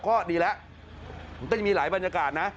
ก็ดีแล้วมันก็จะมีหลายบรรยากาศนะ